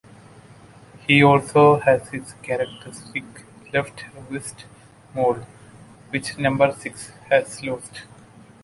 He also has his characteristic left wrist mole, which Number Six has lost.